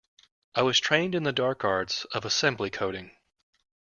I was trained in the dark arts of assembly coding.